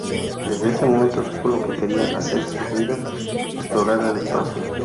Desde ese momento, supo lo que quería hacer en su vida: explorar el espacio.